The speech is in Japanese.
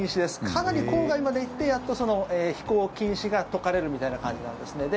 かなり郊外まで行ってやっと飛行禁止が解かれるみたいな感じなんですね。